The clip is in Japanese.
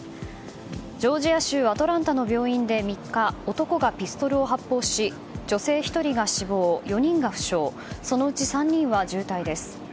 ジョージア州アトランタの病院で３日男がピストルを発砲し女性１人が死亡４人が負傷そのうち３人は重体です。